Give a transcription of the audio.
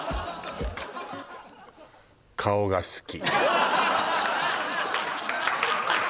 「顔が好き」